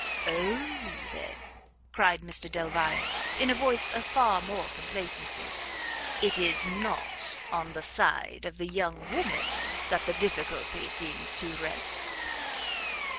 "O, then," cried Mr Delvile, in a voice of far more complacency, "it is not on the side of the young woman that the difficulty seems to rest?"